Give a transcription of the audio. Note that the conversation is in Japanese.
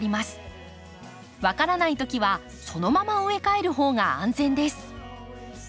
分からないときはそのまま植え替えるほうが安全です。